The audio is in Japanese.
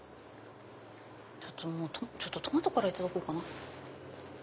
トマトからいただこうかな。